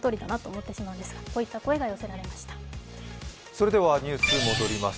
それではニュースに戻ります。